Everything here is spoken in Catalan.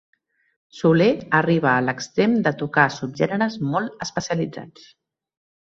Soler arriba a l'extrem de tocar subgèneres molt especialitzats.